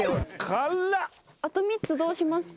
あと３つどうしますか？